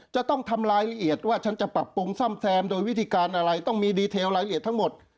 จะต้องทำรายละเอียดว่าฉันจะปรับปรุงซ่อมแซมโดยวิธีการอะไรต้องมีดีเทลรายละเอียดทั้งหมด